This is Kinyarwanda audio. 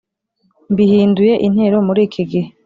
Mbihinduye intero muri ikigihe